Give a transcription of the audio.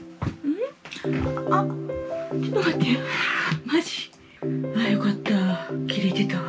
あっちょっと待ってマジ？ああよかった切れてたわ。